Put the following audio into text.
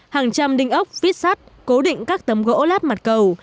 hàng trăm đinh ốc vít sắt cố định các tấm gỗ lát mặt cầu